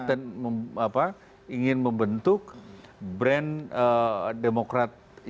dan ingin membentuk brand demokrat yang baru